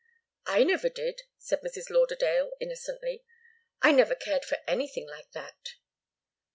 "I never did," said Mrs. Lauderdale, innocently. "I never cared for anything like that."